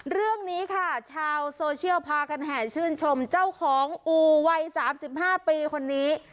เรื่องนี้ค่ะชาวโซเชียลพากันแห่ชื่นชมเจ้าของอูวัย๓๕ปีคนนี้